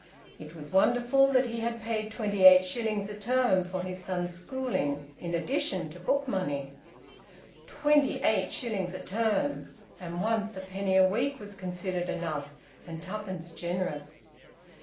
It was wonderful that he had paid twenty eight shillings a term for his son's schooling, in addition to book money. Twenty eight shillings a term! And once a penny a week was considered enough, and twopence generous!